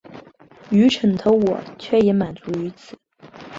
愚蠢的我却也满足於此